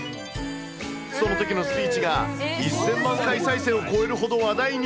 そのときのスピーチが、１０００万回再生を超えるほど話題に。